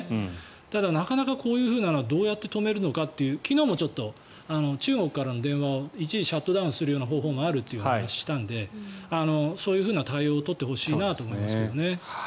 ただ、なかなかこういうふうなのをどうやって止めるのかというのは昨日もちょっと中国からの電話を一時シャットダウンする方法があるという話をしたのでそういう対応を取ってほしいと思いますけどね。